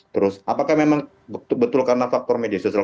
terus apakah memang betul karena faktor media sosial